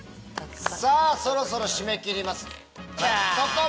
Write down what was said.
そろそろ締め切ります。